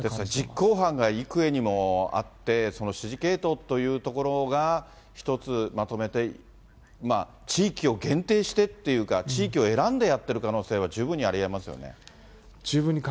実行犯が幾重にもあって、その指示系統というところが、一つ、まとめて、地域を限定してっていうか、地域を選んでやってる可能性は十分にありえますよね。